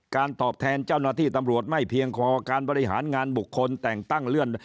ตอบแทนเจ้าหน้าที่ตำรวจไม่เพียงพอการบริหารงานบุคคลแต่งตั้งเลื่อน